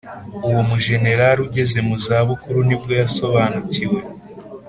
uwo mujenerali ugeze mu zabukuru nibwo yasobanukiwe.